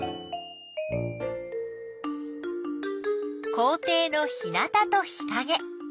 校ていの日なたと日かげ。